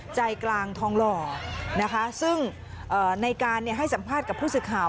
ใจกลางทองหล่อนะคะซึ่งในการให้สัมภาษณ์กับผู้สื่อข่าว